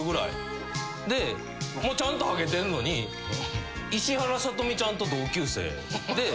でもうちゃんとハゲてんのに石原さとみちゃんと同級生。